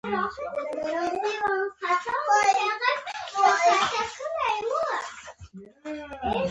ازادي راډیو د عدالت په اړه د ځوانانو نظریات وړاندې کړي.